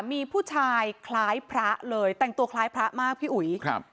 มีผู้ชายคล้ายพระเลยแต่งตัวคล้ายพระมากพี่อุ๋ยครับ